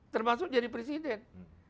termasuk jadi presiden